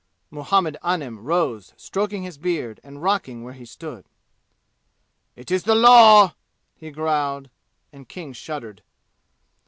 Muhammed Anim rose stroking his beard and rocking where he stood. "It is the law!" he growled, and King shuddered.